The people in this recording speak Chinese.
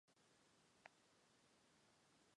亚马逊伞鸟是一种伞鸟。